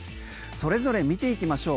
それぞれ見ていきましょう。